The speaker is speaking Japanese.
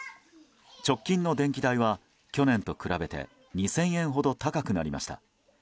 直近の電気代は去年と比べて２０００円ほど高くなりました。